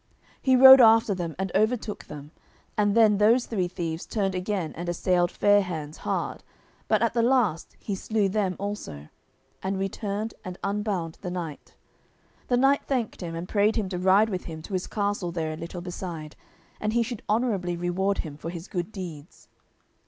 He rode after them and overtook them, and then those three thieves turned again and assailed Fair hands hard, but at the last he slew them also, and returned and unbound the knight. The knight thanked him, and prayed him to ride with him to his castle there a little beside, and he should honourably reward him for his good deeds.